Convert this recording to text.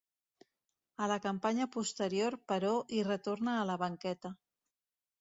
A la campanya posterior, però, hi retorna a la banqueta.